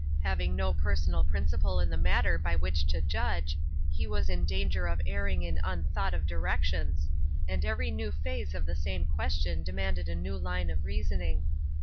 Having no personal principle in the matter by which to judge, he was in danger of erring in unthought of direc tions, and every new phase of the same question demanded a new line of reasoning.